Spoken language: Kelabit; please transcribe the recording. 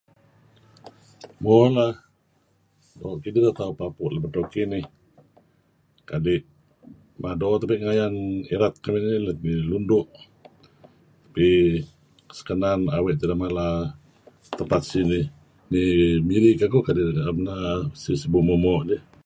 Mo lah, doo' kidih teh tauh papu' edto kinih. Kadi' mado tebe' irat keduih let ngi Lundu tapi sekenan awe' tideh mala tempat sinih ngi Mirikekuh kadi' nuih na'em err sibuh-sibuh moo'-moo' dih.